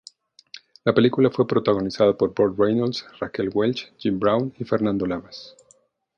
La película fue protagonizada por Burt Reynolds, Raquel Welch, Jim Brown y Fernando Lamas.